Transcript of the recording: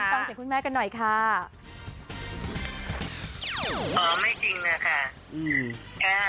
เอาความเสียคุณแม่กันหน่อยค่ะอ๋อไม่จริงนะค่ะอืม